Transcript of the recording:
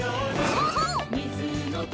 そうそう！